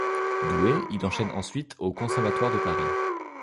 Doué, il enchaîne ensuite au Conservatoire de Paris.